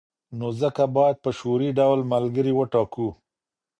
نو ځکه باید په شعوري ډول ملګري وټاکو.